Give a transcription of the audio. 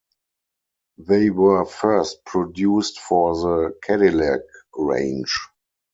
They were first produced for the Cadillac range.